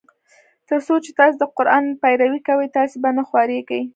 تر څو چي تاسي د قرآن پیروي کوی تاسي به نه خوارېږی.